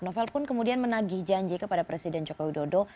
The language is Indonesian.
novel pun kemudian menagih janji kepada presiden jokowi dodo